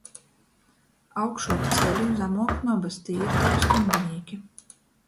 Augšuok ceļu, zamok nobys, tī ir tovi stuņdinīki.